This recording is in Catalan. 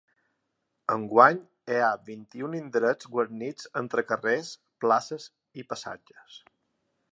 Enguany hi ha vint-i-un indrets guarnits entre carrers, places i passatges.